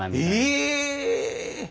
え。